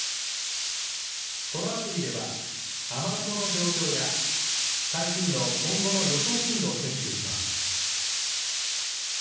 このアプリでは、雨雲の状況や、台風の今後の予想進路をチェックできます。